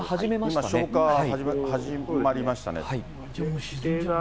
消火始まりましたね。